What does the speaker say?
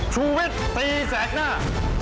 ชุวิตตีแสดหน้า